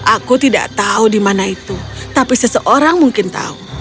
aku tidak tahu di mana itu tapi seseorang mungkin tahu